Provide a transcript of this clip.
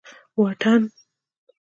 واټن